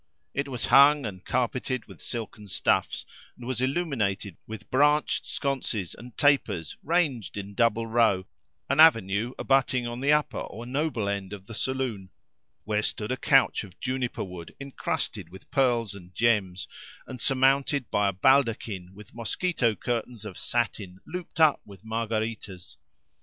It was hung and carpeted with silken stuffs, and was illuminated with branches sconces and tapers ranged in double row, an avenue abutting on the upper or noble end of the saloon, where stood a couch of juniper wood encrusted with pearls and gems and surmounted by a baldaquin with mosquito curtains of satin looped up with margaritas.